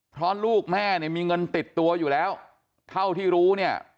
เพราะลูกแม่เนี่ยมีเงินติดตัวอยู่แล้วเท่าที่รู้เนี่ย